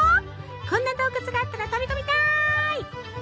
こんな洞窟があったら飛び込みたい！